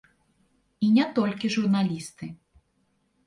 І не толькі журналісты.